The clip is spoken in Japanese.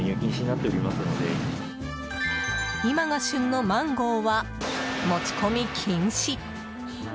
今が旬のマンゴーは持ち込み禁止！